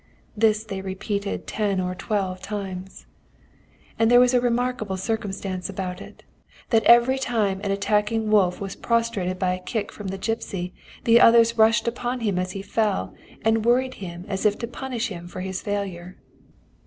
"This they repeated ten or twelve times. "And there was this remarkable circumstance about it, that every time an attacking wolf was prostrated by a kick from the gipsy, the others rushed upon him as he fell, and worried him as if to punish him for his failure.